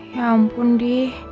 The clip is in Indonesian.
ya ampun di